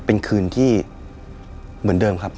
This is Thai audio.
เป็นคืนที่เหมือนเดิมครับ